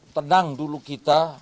tenang dulu kita